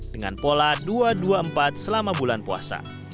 dengan pola dua dua empat selama bulan puasa